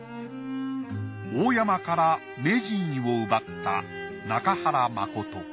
大山から名人位を奪った中原誠。